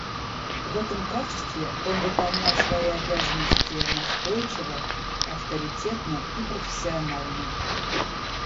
В этом качестве он выполнял свои обязанности настойчиво, авторитетно и профессионально.